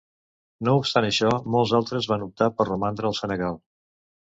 No obstant això, molts altres van optar per romandre al Senegal.